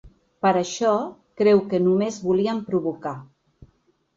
Per això, creu que només volien ‘provocar’.